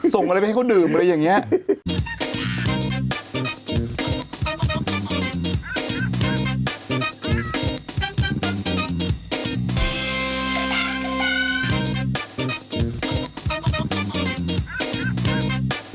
ส่งอะไรไปให้เขาดื่มอะไรอย่างนี้